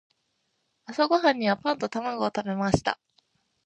朝ごはんにはパンと卵を食べました。